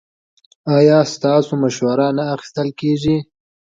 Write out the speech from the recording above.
ایا ستاسو مشوره نه اخیستل کیږي؟